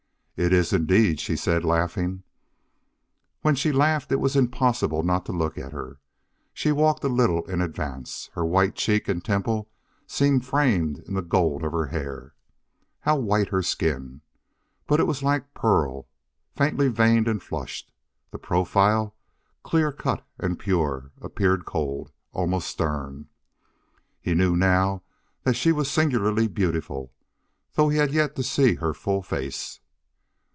"It is, indeed," she said, laughing. When she laughed it was impossible not to look at her. She walked a little in advance. Her white cheek and temple seemed framed in the gold of her hair. How white her skin! But it was like pearl, faintly veined and flushed. The profile, clear cut and pure, appeared cold, almost stern. He knew now that she was singularly beautiful, though he had yet to see her full face.